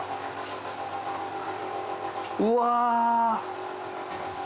うわ。